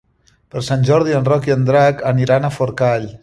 Per Sant Jordi en Roc i en Drac aniran a Forcall.